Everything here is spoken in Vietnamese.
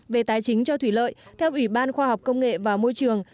về tài chính cho thủy lợi theo ủy ban khoa học công nghệ và môi trường